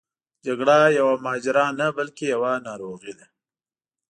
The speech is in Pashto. جګړه یوه ماجرا نه بلکې یوه ناروغي ده.